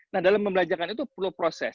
nah dalam pembelajaran itu perlu proses